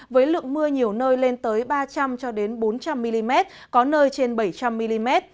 với lượng mưa nhiều nơi lên tới ba trăm linh bốn trăm linh mm có nơi trên bảy trăm linh mm